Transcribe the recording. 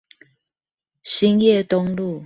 興業東路